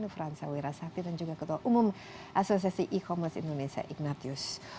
nufransa wirasakti dan juga ketua umum asosiasi e commerce indonesia ignatius